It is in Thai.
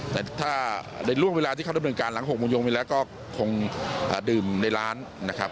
แต่ถ้าในร่วมเวลาที่เข้าด้วยเป็นการหลัง๖โมงโยงเวลาก็คงดื่มในร้านนะครับ